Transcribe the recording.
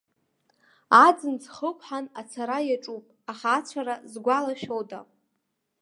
Аӡын ҵхы ықәҳан ацара иаҿуп, аха ацәара згәалашәода!